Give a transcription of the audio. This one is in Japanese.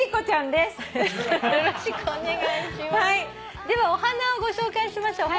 ではお花をご紹介しましょう。